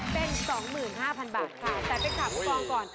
เป็น๒๕๐๐๐บาทแต่เฟคค่ะพุกองก่อน